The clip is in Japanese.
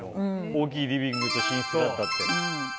大きいリビングと寝室があったってね。